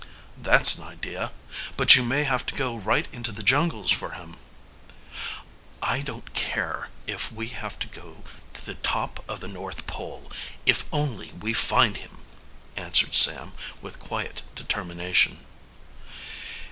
"That's an idea. But you may have to go right into the jungles for him." "I don't care if we have to go to the top of the North Pole, if only we find him," answered Sam with quiet determination.